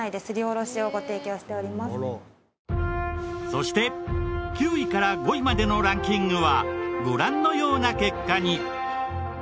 そして９位から５位までのランキングはご覧のような結果に。